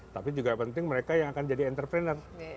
tapi juga penting mereka yang akan jadi entrepreneur